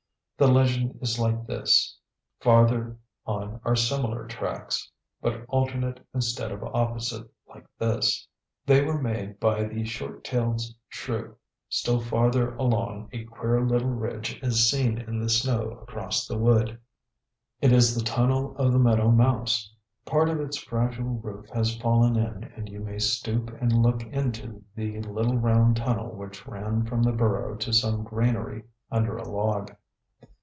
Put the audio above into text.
The legend is like this, :::::. Farther on are similar tracks, but alternate instead of opposite, like this,',',','. They were made by the short tailed shrew. Still farther along a queer little ridge is seen in the snow across the wood road. It is the tunnel of the meadow mouse. Part of its fragile roof has fallen in and you may stoop and look into the little round tunnel which ran from the burrow to some granary under a log.